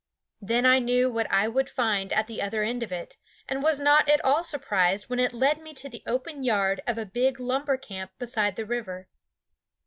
Then I knew what I would find at the other end of it, and was not at all surprised when it led me to the open yard of a big lumber camp beside the river.